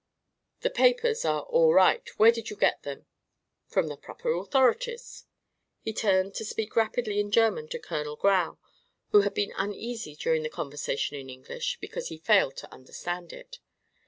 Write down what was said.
"The papers are all right. Where did you get them?" "From the proper authorities." He turned to speak rapidly in German to Colonel Grau, who had been uneasy during the conversation in English, because he failed to understand it.